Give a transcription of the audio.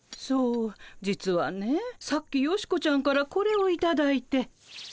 そう実はねさっきヨシコちゃんからこれをいただいて。